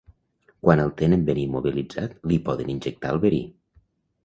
Quan el tenen ben immobilitzat li poden injectar el verí.